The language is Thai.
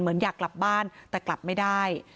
เหมือนอยากกลับบ้านแต่กลับไม่ได้